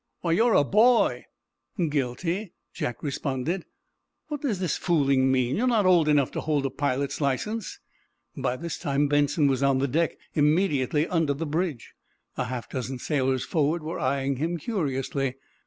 "Why, you're a boy." "Guilty," Jack responded. "What does this fooling mean? You're not old enough to hold a pilot's license." By this time Benson was on the deck, immediately under the bridge. A half dozen sailors, forward, were eyeing him curiously.